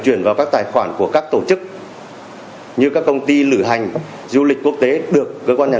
chuyển vào các tài khoản của các tổ chức như các công ty lửa hành du lịch quốc tế được cơ quan nhà